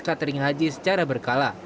catering haji secara berkala